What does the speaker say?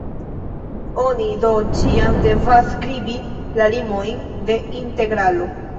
Oni do ĉiam devas skribi la limojn de integralo.